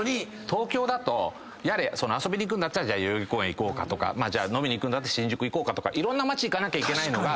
東京だと遊びに行くんだったら代々木公園行こうかとか飲みに行くんだと新宿行こうかとかいろんな街行かなきゃいけないのが。